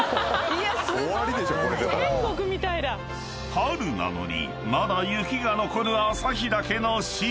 ［春なのにまだ雪が残る朝日岳の白］